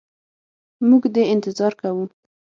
موږ دي انتظار کوو.